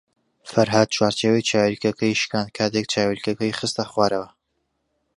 فەرھاد چوارچێوەی چاویلکەکەی شکاند کاتێک چاویلکەکەی خستە خوارەوە.